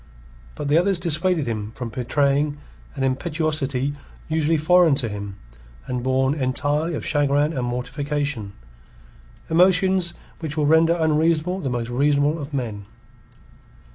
But the others dissuaded him from betraying an impetuosity usually foreign to him, and born entirely of chagrin and mortification, emotions which will render unreasonable the most reasonable of men.